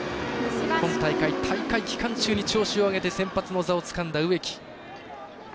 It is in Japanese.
今大会大会期間中に調子を上げて先発の座をつかんだ植木。